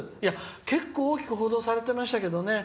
結構、大きく報道されてましたけどね。